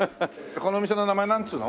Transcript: この店の名前なんつうの？